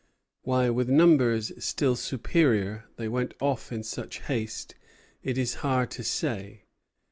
Why, with numbers still superior, they went off in such haste, it is hard to say.